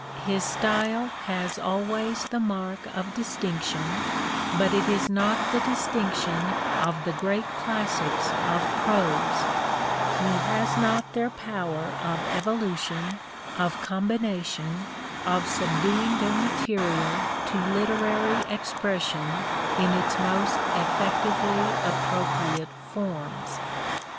His style has always the mark of distinction, but it is not the distinction of the great classics of prose : he has not their power of evolution, of combination, of subduing their material to literary expression in its most effec tively appropriate forms.